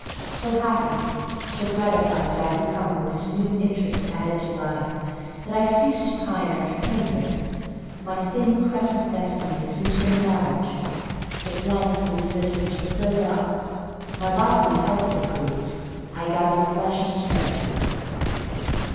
So happy, so gratified did I become with this new interest added to life, that I ceased to pine after kindred: my thin crescent destiny seemed to enlarge; the blanks of existence were filled up; my bodily health improved; I gathered flesh and strength.